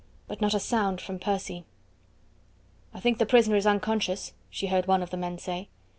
But not a sound from Percy. "I think the prisoner is unconscious," she heard one of the men say.